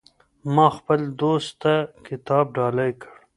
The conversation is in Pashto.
ما خپل دوست ته کتاب ډالۍ کړ.